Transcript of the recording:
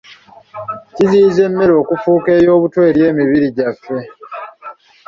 Kiziyiza emmere okufuuka ey'obutwa eri emibiri gyaffe.